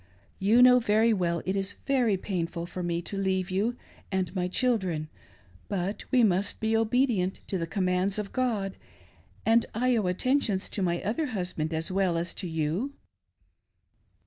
You know very well it is very painful for me to leave you and my children ; but we must be obedient to the commands of God, and I owe attentions to my other husband as well as to you!"